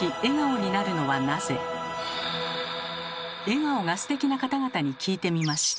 笑顔がステキな方々に聞いてみました。